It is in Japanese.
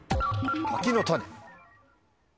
「柿の種」。